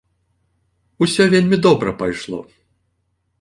Усё вельмі добра пайшло.